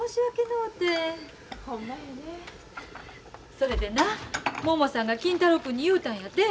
それでなももさんが金太郎君に言うたんやて。